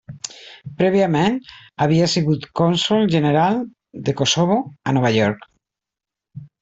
Prèviament, havia sigut cònsol general de Kosovo a Nova York.